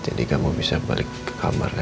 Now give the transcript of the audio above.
jadi kamu bisa balik ke kamarnya